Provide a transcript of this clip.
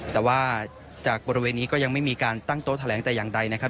แต่ว่าจากบริเวณนี้ก็ยังไม่มีการตั้งโต๊ะแถลงแต่อย่างใดนะครับ